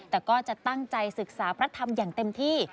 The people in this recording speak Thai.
แต่ก็จะตั้งใจศึกษาพระธรรมอย่างเต็มที่